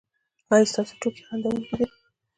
ایا ستاسو ټوکې خندونکې دي؟